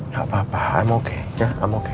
nggak apa apa aku baik baik aja